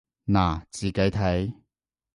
嗱，自己睇